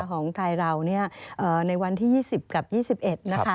ของตายเราที่๒๐กับ๒๑นะคะ